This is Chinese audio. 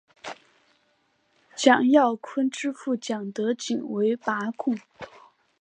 蒋兆鲲之父蒋德璟为拔贡。